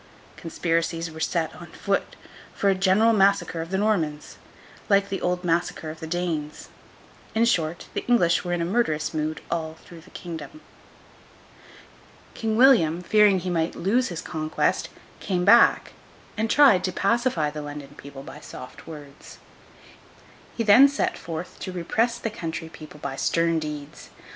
Conspiracies were set on foot for a general massacre of the Normans, like the old massacre of the Danes. In short, the English were in a murderous mood all through the kingdom. King William, fearing he might lose his conquest, came back, and tried to pacify the London people by soft words. He then set forth to repress the country people by stern deeds.